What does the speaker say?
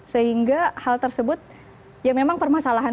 sehingga hal tersebut ya memang permasalahan